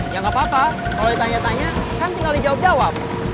ya nggak apa apa kalau ditanya tanya kan tinggal dijawab jawab